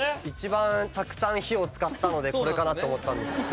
一番たくさん「日」を使ったのでこれかなって思ったんです。